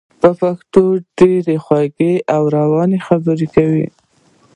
په پښتو یې ډېرې خوږې او روانې خبرې کولې.